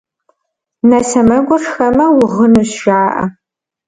Нэ сэмэгур шхэмэ, угъынущ, жаӏэ.